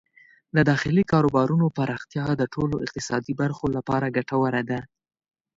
د داخلي کاروبارونو پراختیا د ټولو اقتصادي برخو لپاره ګټوره ده.